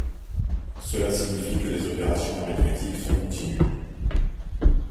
Cela signifie que les opérations arithmétiques sont continues.